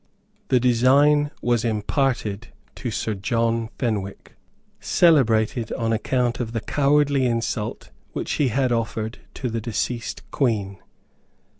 The design was imparted to Sir John Fenwick, celebrated on account of the cowardly insult which he had offered to the deceased Queen.